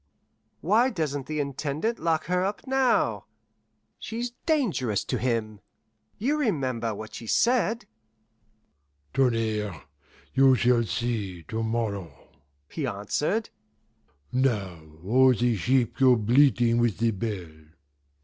"Why doesn't the Intendant lock her up now? She's dangerous to him. You remember what she said?" "Tonnerre, you shall see to morrow," he answered; "now all the sheep go bleating with the bell.